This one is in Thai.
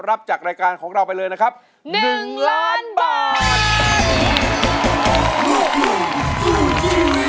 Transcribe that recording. รับจากรายการของเราไปเลยนะครับ๑ล้านบาท